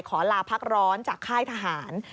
ขอลาพักร้อนจากค่ายทหาร